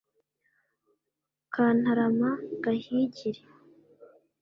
Kantarama Gahigiri